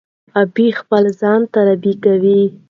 غابي د خپل ځان تربیه کوي.